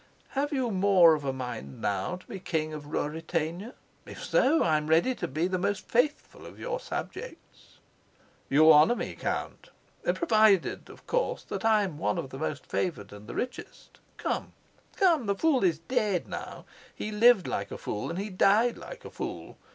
Have you more of a mind now to be King of Ruritania? If so, I'm ready to be the most faithful of your subjects." "You honor me, Count." "Provided, of course, that I'm one of the most favored and the richest. Come, come, the fool is dead now; he lived like a fool and he died like a fool.